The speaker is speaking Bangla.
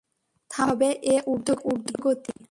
থামাতেই হবে এ উর্ধ্বগতি।